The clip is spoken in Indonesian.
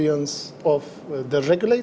pendapat dan pengalaman